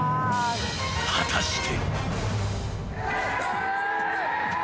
［果たして］